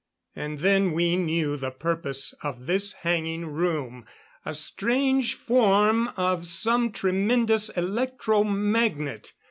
And then we knew the purpose of this hanging room. A strange form of some tremendous electro magnet.